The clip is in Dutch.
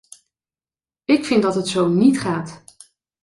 Ik vind dat het zo niet gaat!